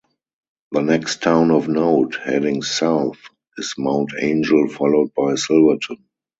The next town of note heading south is Mount Angel, followed by Silverton.